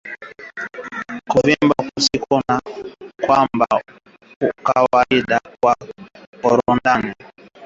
Kuvimba kusiko kwa kawaida kwa korodani ni dalili ya ugonjwa wa kutupa mimba